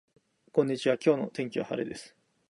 こんにちは今日の天気は晴れです